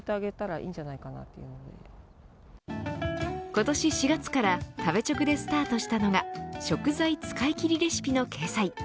今年４月から食べチョクでスタートしたのが食材使い切りレシピの掲載。